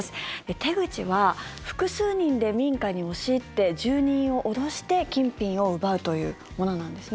手口は複数人で民家に押し入って住人を脅して金品を奪うというものなんですね。